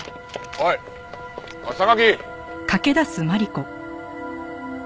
おい榊！